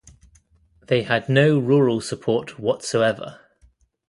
They had no rural support whatsoever.